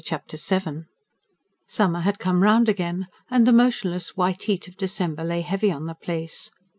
Chapter VII Summer had come round again, and the motionless white heat of December lay heavy on the place.